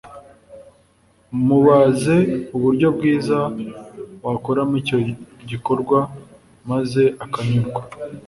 mubaze uburyo bwiza wakoramo icyo gikorwa maze akanyurwa